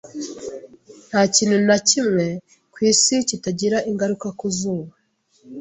Nta kintu na kimwe ku isi kitagira ingaruka ku zuba.